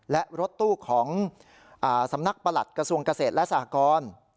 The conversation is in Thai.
และรถตู้ของสำนักประหลัดกระทรวงเกษตรและสหกร